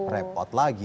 repot lagi ya